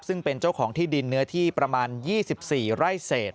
ซึ่งเป็นเจ้าของที่ดินเนื้อที่ประมาณ๒๔ไร่เศษ